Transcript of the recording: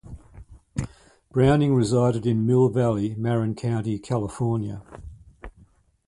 Browning resided in Mill Valley, Marin County, California.